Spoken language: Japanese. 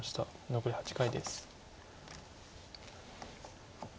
残り８回です。